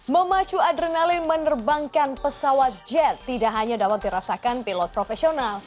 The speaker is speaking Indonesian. memacu adrenalin menerbangkan pesawat jet tidak hanya dapat dirasakan pilot profesional